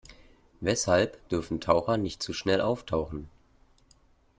Weshalb dürfen Taucher nicht zu schnell auftauchen?